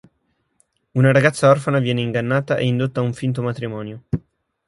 Una ragazza orfana viene ingannata e indotta a un finto matrimonio.